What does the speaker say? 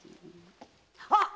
あっ！